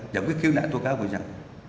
giảm quyết khiếu nải tố cáo của dân